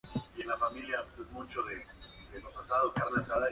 En esta localidad hay una central nuclear.